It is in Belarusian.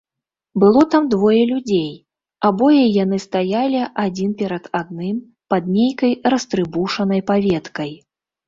Было там двое людзей, абое яны стаялі адзін перад адным пад нейкай растрыбушанай паветкай.